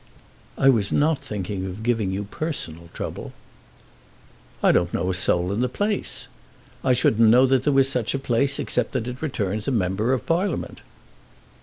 "I was not thinking of giving you personal trouble." "I don't know a soul in the place. I shouldn't know that there was such a place except that it returns a member of Parliament."